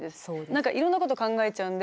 何かいろんなこと考えちゃうんで。